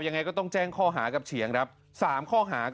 เอาลองฟังเฉียงดูฮะ